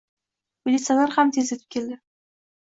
Militsioner ham tez yetib keldi.